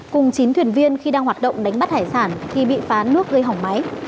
cùng chín thuyền viên khi đang hoạt động đánh bắt hải sản thì bị phá nước gây hỏng máy